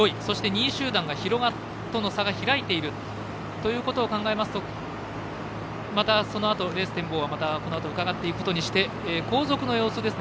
そして、２位集団との差が開いているということを考えますとまた、そのあとレースの展望はこのあと伺っていくことにして後続の様子